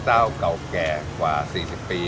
เจ้าเก่าแก่กว่า๔๐ปี